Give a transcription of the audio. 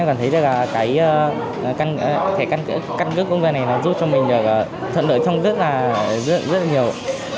em cảm thấy là cái thẻ căn cước công dân này nó giúp cho mình thận đổi thông dứt rất là nhiều